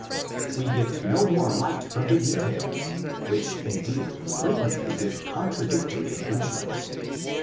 We get no more light from the details, which indeed frequently give contradictory impressions.